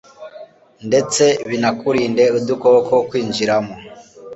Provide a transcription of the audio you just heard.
ndetse binakurinde udukoko kwinjiramo